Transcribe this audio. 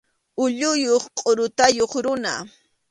Ulluyuq qʼurutayuq runa.